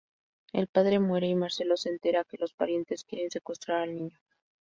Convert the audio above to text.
El padre muere y Marcelo se entera que los parientes quieren secuestrar al niño.